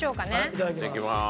いただきます。